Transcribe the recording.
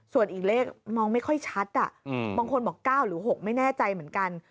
ส่วนอีกเลขมองไม่ค่อยชัดบางคนบอก๙หรือ๖ไม่แน่ใจเหมือนกัน